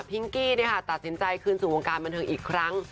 กี้ตัดสินใจคืนสู่วงการบันเทิงอีกครั้ง